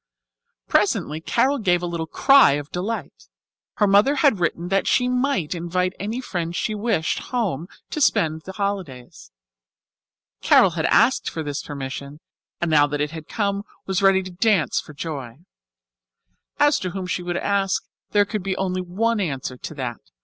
Presently Carol gave a little cry of delight. Her mother had written that she might invite any friend she wished home with her to spend the holidays. Carol had asked for this permission, and now that it had come was ready to dance for joy. As to whom she would ask, there could be only one answer to that.